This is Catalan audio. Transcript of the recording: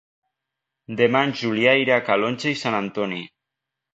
Demà en Julià irà a Calonge i Sant Antoni.